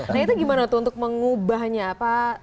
nah itu gimana tuh untuk mengubahnya apa